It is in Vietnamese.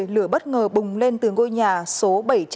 lửa bất ngờ bùng lên từ ngôi nhà số bảy trăm ba mươi năm